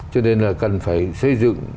cho nên là cần phải xây dựng